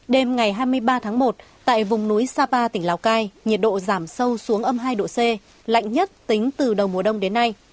đêm ngày hai mươi ba tháng một tại vùng núi sapa tỉnh lào cai nhiệt độ giảm sâu xuống âm hai độ c lạnh nhất tính từ đầu mùa đông đến nay